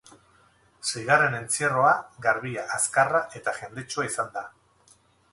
Seigarren entzierroa garbia, azkarra eta jendetsua izan da.